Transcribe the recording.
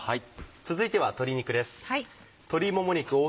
続いては鶏肉です。